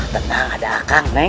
tenang ada akang neng